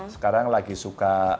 sekarang lagi suka